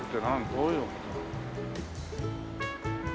どういう。